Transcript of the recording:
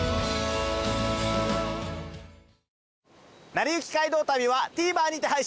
『なりゆき街道旅』はＴＶｅｒにて配信中です。